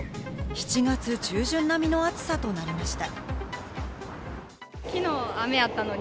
７月中旬並みの暑さとなりました。